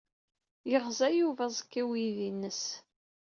Yeɣza Yuba aẓekka i uydi-nnes.